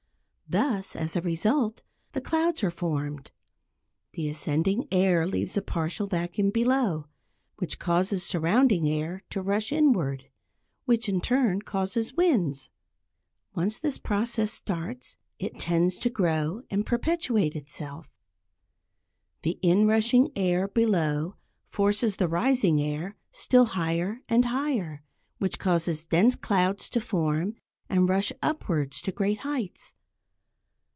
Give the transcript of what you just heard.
Thus, as a result, the clouds are formed. The ascending air leaves a partial vacuum below, which causes surrounding air to rush inward; which in turn causes winds. Once this process starts, it tends to grow and perpetuate itself. The inrushing air below forces the rising air still higher and higher, which causes dense clouds to form and rush upwards to great heights.